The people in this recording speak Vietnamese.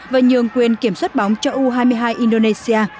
và nhường quyền kiểm soát bóng cho u hai mươi hai indonesia